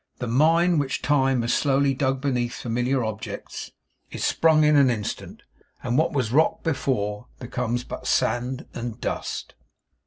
The mine which Time has slowly dug beneath familiar objects is sprung in an instant; and what was rock before, becomes but sand and dust.